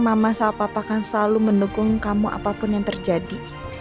mama sama papa kan selalu mendukung kamu apapun yang terjadi